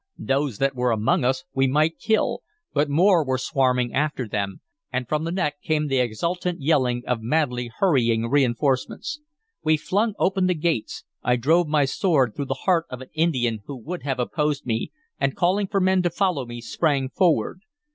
Those that were amongst us we might kill, but more were swarming after them, and from the neck came the exultant yelling of madly hurrying reinforcements. We flung open the gates. I drove my sword through the heart of an Indian who would have opposed me, and, calling for men to follow me, sprang forward.